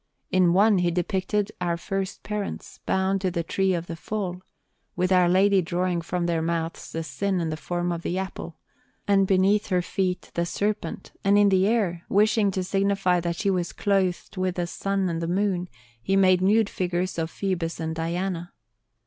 In one he depicted our First Parents, bound to the Tree of the Fall, with Our Lady drawing from their mouths the Sin in the form of the Apple, and beneath her feet the Serpent; and in the air wishing to signify that she was clothed with the sun and moon he made nude figures of Phoebus and Diana.